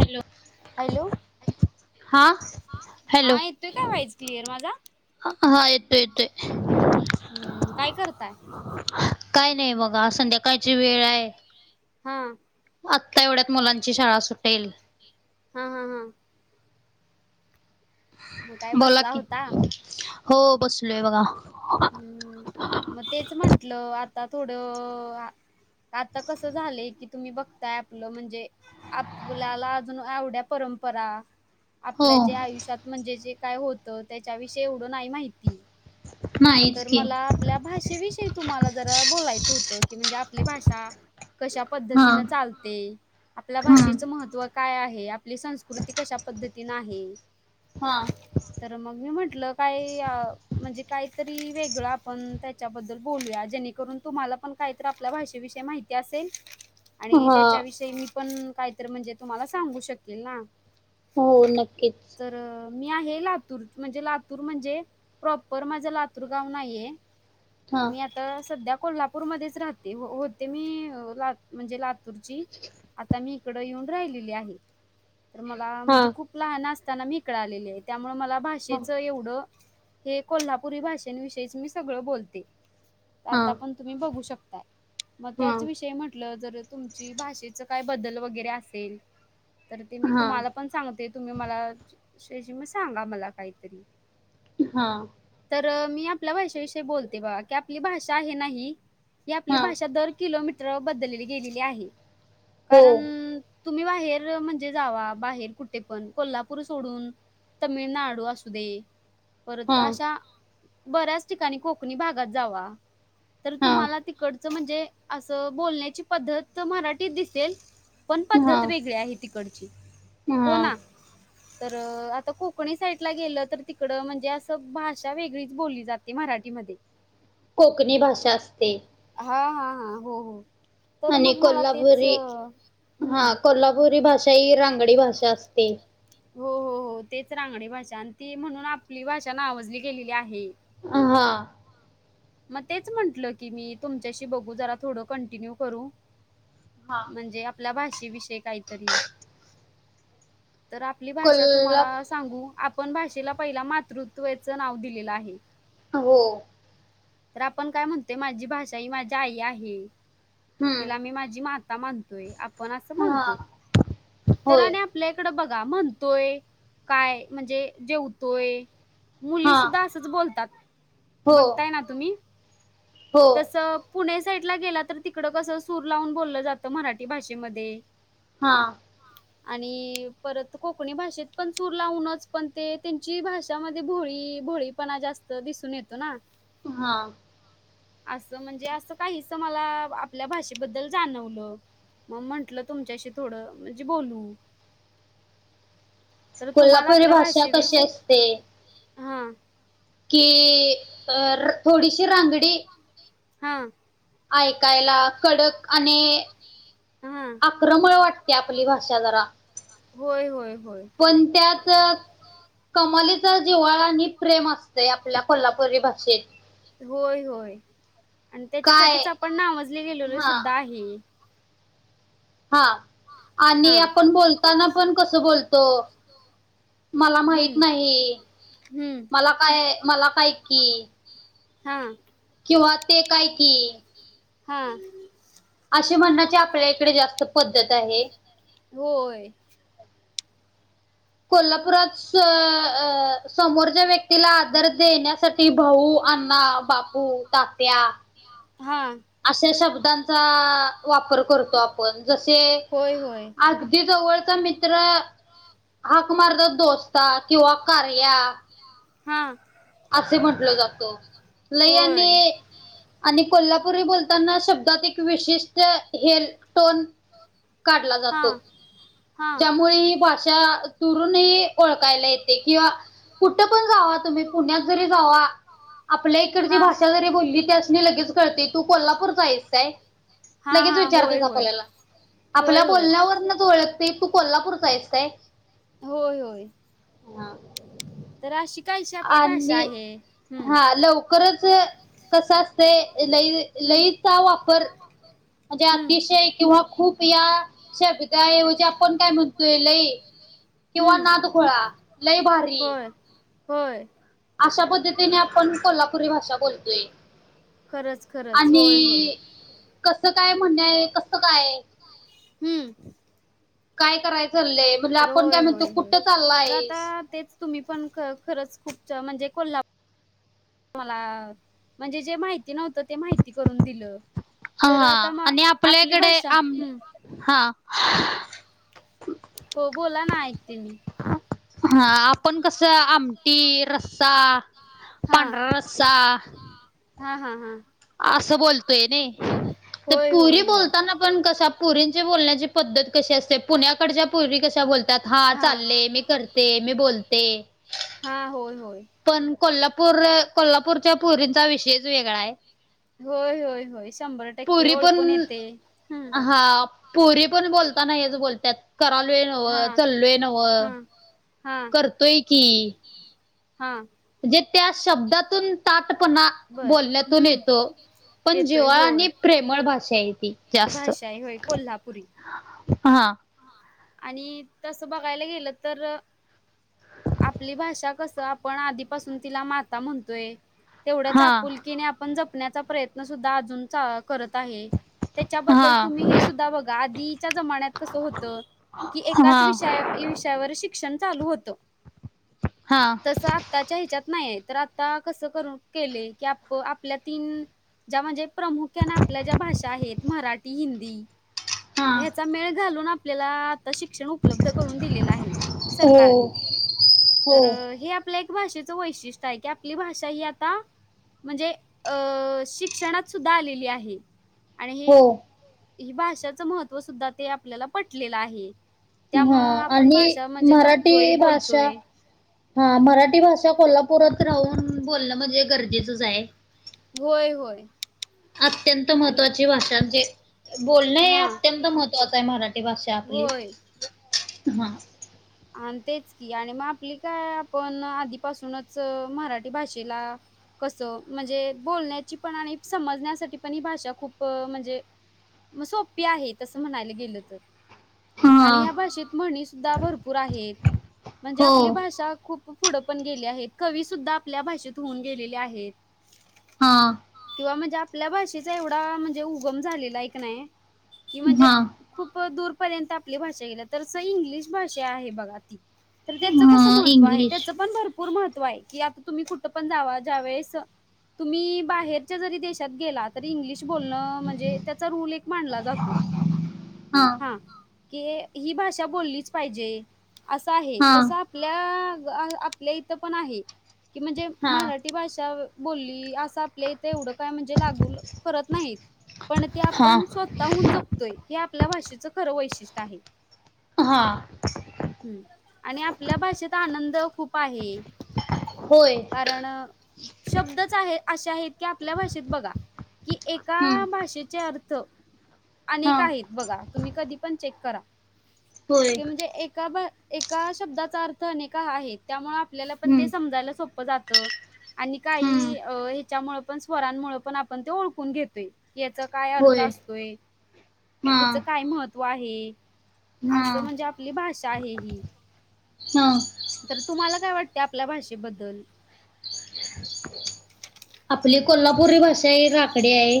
Hello hello हा, हा येतोय काय आवाज क्लिअर माझा. हम्म, काय करताय. काय नाही बघा, संध्याकाळची वेळ आय हा,, आत्ता एवढ्यात मुलांची शाळा सुटेल. हा हा हा मग काय बसला होता. होऽऽ बसलोय बघा. हम्म मग तेच म्हंटलं,, आता थोडंऽऽ आता कसं झालंय की तुम्ही बघऽऽ काय आपलं म्हणजे,, आपल्याला अजून आवड्या परंपराऽऽ आपल्या जे आयुष्यात म्हणजे जे काय होतं त्याच्याविषय एवढं नाही माहिती. तर मला आपल्या भाषेविषयी तुम्हाला जरा बोलायचं होतं की म्हणजे आपली भाषा कशा पद्धतीन चालते आपल्या भाषेचं महत्व काय आहे आपली संस्कृती कशा पद्धतीन आहे तर मग मी म्हटलं काही म्हणजे काहीतरी वेगळं आपण त्याच्याबद्दल बोलूया. जेणेकरून तुम्हाला पण काहीत आपल्या भाषेविषयी माहिती असेल आणि त्याच्याविषयी मी पण काहीतरी म्हणजे तुम्हाला सांगू शकेल ना. हो नक्कीच. मी आहे लातूर म्हणजे लातूर म्हणजे प्रॉपर माझा लातूर गाव नाही आहे. मी आता सध्या कोल्हापूरमध्येच राहते. होते मी लात म्हणजे लात आता मी इकड येऊन राहिलेली आहे. तर मला म्हणजे खूप लहान अस त्याना मी इकड आलेली आहे. त्यामुळे मला भाषेचं एवढं हे कोल्हापुरी भाषेनविषयीच मी सगळं बोलते. आता पण तुम्ही बघू शकताय मग त्याच विषयी म्हटलं जर तुमची भाषेच काय बदल वगैरे असेल तर ते मी तुम्हाला पण सांगते. तुम्ही मला शेज मग सांगा मला काहीतरी. हा तर मी आपल्या भाषेविषयी बोलते बा की आपली भाषा आहे ना ही ही आपली भाषा दर किलोमीटर बदलली गेलेली आहे. कारण तुम्ही बाहेर म्हणजे जावा बाहेर कुठे पण कोल्हापूर सोडून. तमिळनाडू असू दे तर अशा बऱ्याच ठिकाणी कोकणी भागात जावा. तर तुम्हाला तिकड म्हणजे असं बोलण्याची पद्धत मराठीत दिसेल. पण पद्धत वेगळी आहे तिकडची. हो ना. तर आता कोकणी साईडला गेलं तर तिकड म्हणजे अस भाषा वेगळीच बोलली जाते मराठीमध्ये. कोकणी भाषा असते. हा हा हा हो हो आणि कोल्हापुरी हा कोल्हापुरी भाषा ही रां गडी भाषा असते. हो हो हो तेच रांगणी भाषा आणि ती म्हणून आपली भाषा नावजली गेलेली आहे. हा मग तेच म्हटलं की मी तुमच्याशी बघू जरा थोड कंटिन्यू करू. म्हणजे आपल्या भाषेविषय काहीतरी तर आपली भाषा तुम्हाला सांगू आपण भाषेला पहिला मातृत्वाचं नाव दिलेलं आहे. हो तर आपण काय म्हणते माझी भाषा ही माझी आई आहे. तिला मी माझी माता माणतोय आपण असं म्हणतोय. तर आपल्या इकड बघा म्हणतोय काय म्हणजे जेवतोय. मुली सुद्धा असच बोलतात. बघ तस पुणे साईड ला गेला तर तिकड कस सूर लावून बोललं जात मराठी भाषेमध्ये. हा आणि परत कोकणी भाषेत पण चूर लावूनच पण ते त्यांची भाषामध्ये भोळी भोळीपणा जास्त दिसून येतो ना. हा असं म्हणजे असं काहीस मला आपल्या भाषेबद्दल जाणवलं. मग म्हंटलं तुमच्याशी थोडं म्हणजे बोलू. कोल्हापुरी भाषा कशी असते. हां कि अ थोडीशी रांगडी हा ऐकायला कडक आणि आक्रमळ वाटते आपली भाषा जरा. पण त्याच कमालीचा जिव्हाळा आणि प्रेम असतंया आपल्या कोल्हापुरी भाषेत. होय होय आणि त्याच्यासाठीच आपण नामजले गेलेलो सुद्धा आहे. हा आणि आपण बोलतांना पण कसं बोलतो. मला माहित नाही मला काय मला काय कि, हा किंवा ते काय की, हा अशी म्हणण्याची आपल्या इकडे जास्त पद्धत आहे. होय कोल्हापुरात समोरच्या व्यक्तीला आदर देण्यासाठी भाऊ, ना बापू तात्या अशा शब्दांचा वापर करतो आपण जसे, अगदी जवळ मित्र हाक मारत दोस्त किंवा कार्या. हा असे म्हटल जातो लयाने. आणि कोल्हापुरी बोलताना शब्दात एक विशिष्ट हे टोन. काढला जातो, ज्यामुळे ही भाषा दुरूनही. ओळखायला येते किंवा कुठं पण जावा तुम्ही पुण्यात जरी जावा. आपल्या इकडची भाषा जरी बोलली त अस म लगेच कळते तू कोल्हापूर जायसय लगेच विचारतात आपल्याला. आपल्या बोलण्यावर न ओळखते तू कोल्हापूरचा आहेस काय. होय होय हा तर अशी काहीशी आपली भाषा आहे हम्म. खरचं तस असतंय लई, लईचा वापर. अतिशय किंवा खूप या शब्दाऐवजी आपण काय म्हणतोय लई. किंव्हा नादखुळा, लयभारी होय अशा पद्धतीने आपण कोल्हापुरी भाषा बोलतोय. खरंच खरंच होय होय. कसं काय म्हणणंय, कसं काय हम्म काय करायचं तर होय होय होय तर आता तेच तुम्ही पण खरंच खूप. म्हणजे कोल्हापूर मला म्हणजे जे माहिती नव्हतं ते माहिती करून दिलं. हा आणि आपल्याकडे आम हा हा आपण कसं आमटी रस्सा, पांढरा रस्सा. हा हा हा असं बोलतोय नाही तर पुरी बोलताना पण कसं, पुरी बोलण्याची पद्धत कशी असते, पुण्याकडच्या पोरी कशा बोलतात, हा चालले मी करते. मी बोलते. हा होय होय कोल्हापूर कोल्हापूरच्या पोरींचा विषयच वेगळा आहे. होय होय होय शंभर टक्के ओळखून येते हम पुरी पण बोलता नाहीच बोलत. करालोय नवं चाललोय नवं करतोय की. हा. म्हणजे त्या शब्दातून ताटपणा बोलण्यातून येतो. पण जिव्हाळा आणि प्रेमळ भाषा आहे ती जास्त. हां. आणि तस बघायला गेलं तर. आपली भाषा कस आपण आधीपासून तिला माता म्हणतोय. तेवढ्याच आपुलकीने आपण जपण्याचा प्रयत्न सुद्धा अजून. त आहे त्याच्याबद्दल तुम्ही हे सुधा बघा आधीच्या जमान्यात.... होत कि एकाच विषया विषयावर शिक्षण चालू होत.... तस आत्ताच्या ह्याच्यात नाहीय... तर आता कसं कर केले, की आप आपल्या तीन ज्या म्हणजे.... प्राख्यान आपल्या ज्या भाषा आहेत, मराठी हिंदी ह्याचा मेळ..... लो ना आपल्याला.... शिक्षण उपलब्ध करून दिलेलं आहे, सरकारने तर हे आपल्या. भाषेचं वैशिष्ट्य आहे, की आपली भाषा ही आता... म्हणजे अ शिक्षणात सुद्धा आलेली आहे. आणि हे ह भाषाचं महत्व सुद्धा ते आपल्याला पटलेलं आहे. त्यामुं आपण भाषा म्हणजे जपतोय बोलतोय. हा मराठी भाषा बोला. त राहून बोलणं म्हणजे गरजेचच आहे. अत्यंत महत्त्वाची भाषा म्हणजे. बोलणं हे अत्यंत महत्त्वाचं आहे, मराठी भाषा आपली हा. आणि तेच की आणि मग आपली, काय आपण आधीपासूनच मराठी भाषेला. कसं म्हणजे बोलण्याची, पण आणि समजण्यासाठी, पण ही भाषा खूप म्हणजे. मग सोपे आहे तसं म्हणायला गेलं तर. आणि ह भाषेत म्हणी सुद्धा भरपूर आहेत, म्हणजे आपली भाषा. खूप पुढं पण गेले आहेत, कवी सुद्धा आपल्या भाषेत होऊन गेलेले आहेत. हा. हो म्हणजे आपल्या भाषेचा एवढा म्हणजे उगम झालेला एक नाही. की म्हणजे खूप दूरपर्यंत आपली भाषा गेला तर इंग्लिश भाषा. त्याच कस महत्व त्याच पण भरू.. भरपूर महत्त्व आहे, की आता तुम्ही कुठं पण जावा ज्यावेळे. तुम्ही बाहेरच्या जरी देशात गेला, तरी इंग्लिश. बोलणं म्हणजे त्याचा रुल एक मानला जातो हा. की ही भाषा बोललीच पाहिजे, असं आहे तसं आपल्या. आपल्या इथ पण आहे, की म्हणजे मराठी भाषा बोलली असा. आप इथे एवढं काय म्हणजे लागू करत नाहीत. पण ते आपण स्वतःहून जपतोय, हे आपल्या भाषेचं खरं वैशिष्ट्य आहे. हा. आणि आपल्या भाषेत आनंद खूप आहे. कारण शब्दच आहे, असे आहेत की आपल्या भाषेत बघा. कि एका भाषेचे अर्थ. अनेक आहेत बघा तुम्ही कधी पण चेक करा, ते म्हणजे एका ब... एका शब्दाचा अर्थ अनेक आहेत, त्यामुळे आपल्याला पण ते समजायला सोपं जातं.... आणि काही ह्याच्यामुळे पण स्वरांमुळे पण आपण ते ओळखून घेतोय. याचा काय अर्थ असतोय, ह्याच काय महत्त्व आहे. असं म्हणजे आपली भाषा आहे, ही तर तुम्हाला काय वाटते. आपल्या भाषेबद्दल. आपली कोल्हापुरी भाषा आहे राकडी आहे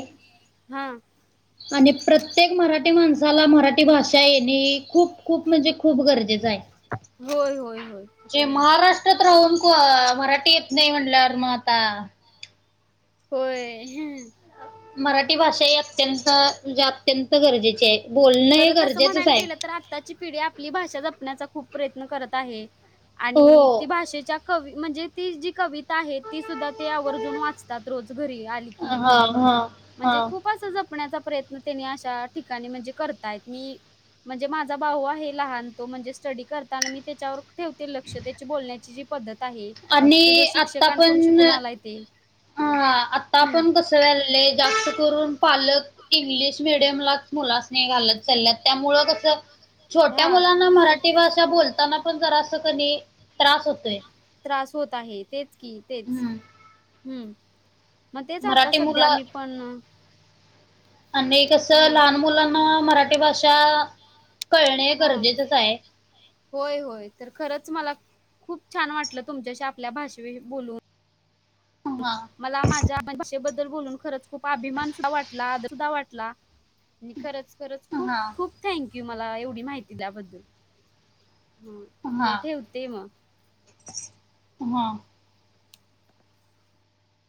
हा आणि प्रत्येक मराठी माणसाला मराठी भाषा येणे खूप खूप म्हणजे खूप गरजेचं आहे होय होय होय.... हीथ राहून को मराठी येत नाही म्हटल्यावर म आता होय. मराठी भाषा ही अत्यंत म्हणजे अत्यंत गरजेची आहे. बोलणं हे गरजेचेच आहे. पिढी आपली भाषा जपण्याचा खूप प्रयत्न करत आहे आणि ती भाषेच्या कवि म्हणजे ती जी कविता आहे ती सुद्धा ते आवर्जून वाचतात रोज घरी आली की म्हणजे खूप असं जपण्याचा प्रयत्न त्यांनी अशा ठिकाणी म्हणजे कर तायत मी म्हणजे माझा भाऊ आहे लहान तो म्हणजे स्टडी करताना मी त्याच्यावर ठेवतील लक्षतेची बोलण्याची जी पद्धत आहे तुझा शिक्षकांनकून शिकून आलाय ते. हा आतापण कस व्ह्यालंय जास्त करून पालक इंग्लिश मिडियमलाच मुलास्नी घालत चाल्यात त्यामुळं कसं छोट्या मुलांना मराठी भाषा बोलताना पण जरास कनी त्रास होतोय. त्रास होत आहे तेच कि तेच हम्म. मग तेचा आता सध्या मी पण आणि कसं लहान मुलांना मराठी भाषा हा होय होय तर खरंच मला खूप छान वाटलं तुमच्याशी आपल्या भाषवि बोलून मला माझ्या भाषेबद्दल बोलून खरंच खूप अभिमान सुद्धावाटला आदर सुद्धा वाटला. आणि खरंच खरंच खूप खूप थँंक यू मला एवढी माहिती दया बद्दल. हम्म, तर ठेवते मग. हां.